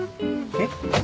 えっ？